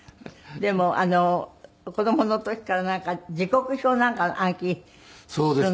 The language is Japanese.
でも子供の時からなんか時刻表なんかの暗記するのも。